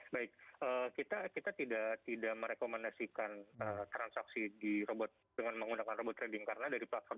baik kita tidak merekomendasikan transaksi di robot dengan menggunakan robot trading karena dari platform